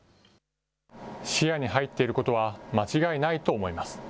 視野に入っていることは間違いないと思います。